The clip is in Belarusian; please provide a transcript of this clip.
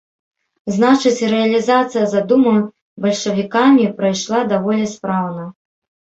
Значыць, рэалізацыя задумы бальшавікамі прайшла даволі спраўна.